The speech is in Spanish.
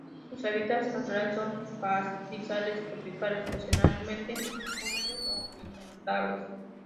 Sus hábitats naturales son pastizales tropicales, estacionalmente húmedos o inundables.